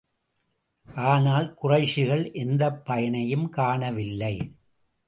ஆனால், குறைஷிகள் எந்தப் பயனையும் காணவில்லை.